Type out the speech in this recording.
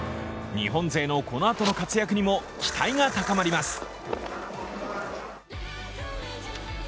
日本勢のことのあとの活躍にも期待が高まります。